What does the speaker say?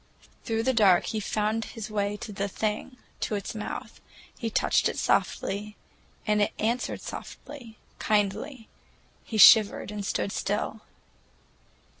Through the dark he found his way to the Thing, to its mouth. He touched it softly, and it answered softly, kindly. He shivered and stood still.